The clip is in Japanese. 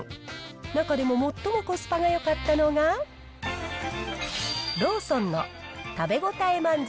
中でも最もコスパがよかったのが、ローソンの食べ応え満足！